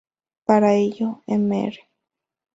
Para ello, Mr.